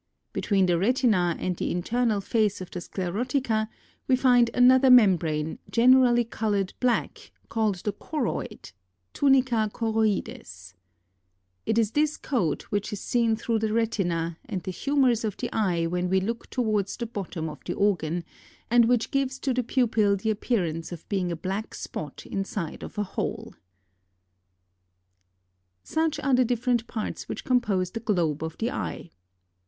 Between the retina and the internal face of the sclerotica, we find another membrane, generally colored black, called the choroid, (tunica choroides) It is this coat which is seen through the retina and the humors of the eye when we look towards the bottom o the organ, and which gives to the pupil the appearance of being a black spot instead of a hole. Such are the different parts which compose the globe of the eye.